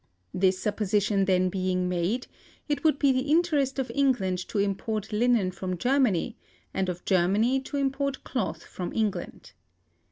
This supposition then being made, it would be the interest of England to import linen from Germany, and of Germany to import cloth from England.